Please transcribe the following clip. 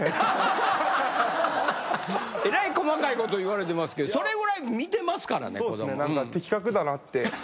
えらい細かいこと言われてますけどそれぐらい見てますからね子供。